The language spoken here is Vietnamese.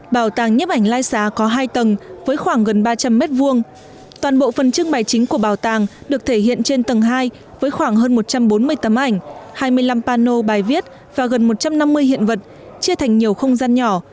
bảo tàng nhiếp ảnh lai xá có hai tầng với khoảng gần ba trăm linh m hai toàn bộ phần trưng bày chính của bảo tàng được thể hiện trên tầng hai với khoảng hơn một trăm bốn mươi tấm ảnh hai mươi năm pano bài viết và gần một trăm năm mươi hiện vật chia thành nhiều không gian nhỏ